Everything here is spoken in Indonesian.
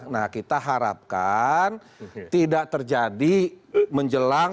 nah kita harapkan tidak terjadi menjelang